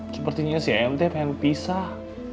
sepertinya si amt pengen pisah